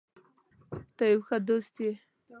ته یو ښه دوست یې.